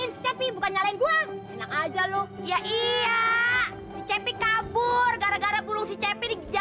sampai jumpa di video selanjutnya